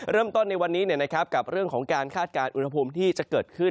เริ่มต้นในวันนี้กับเรื่องของการคาดการณ์อุณหภูมิที่จะเกิดขึ้น